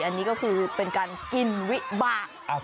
อันนี้ก็คือเป็นการกินวิบาก